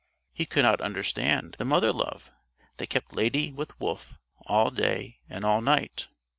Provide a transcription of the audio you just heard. He could not understand the mother love that kept Lady with Wolf all day and all night.